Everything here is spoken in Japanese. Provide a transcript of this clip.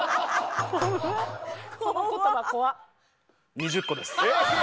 ２０個です。